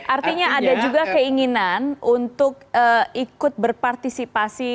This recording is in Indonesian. artinya ada juga keinginan untuk ikut berpartisipasi